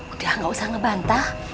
udah gak usah ngebantah